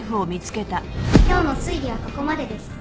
「今日の推理はここまでです」